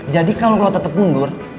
jadi kalau lo tetap mundur